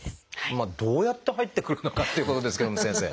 どうやって入ってくるのかっていうことですけども先生。